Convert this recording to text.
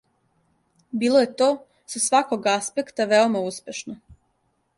Било је то, са сваког аспекта, веома успешно.